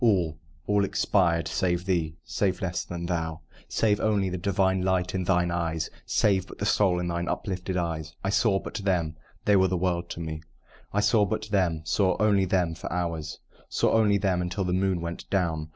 All all expired save thee save less than thou: Save only the divine light in thine eyes Save but the soul in thine uplifted eyes. I saw but them they were the world to me! I saw but them saw only them for hours, Saw only them until the moon went down.